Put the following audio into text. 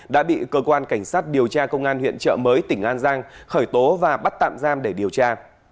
đã bị cơ quan cảnh sát điều tra công an huyện trợ mới tỉnh an giang khởi tố và bắt tạm giam để điều tra